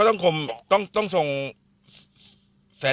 ผมต้องส่งจอไฟท่องให้ยังจนครบ